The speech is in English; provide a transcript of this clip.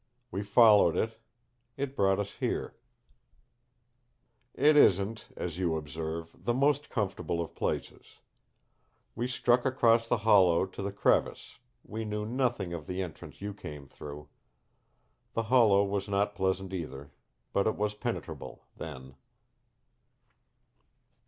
We followed it. It brought us here. "It isn't, as you observe, the most comfortable of places. We struck across the hollow to the crevice we knew nothing of the entrance you came through. The hollow was not pleasant, either. But it was penetrable, then.